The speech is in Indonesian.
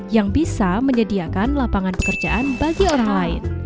yang bisa menyediakan lapangan pekerjaan bagi orang lain